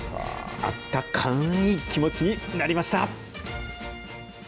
あったかーい気持ちになりました。